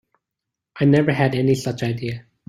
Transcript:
I never had any such idea.